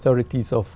tại vì đó